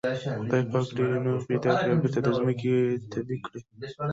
خدای پاک ډېر نوغې پيدا او بېرته د ځمکې تبی کړې.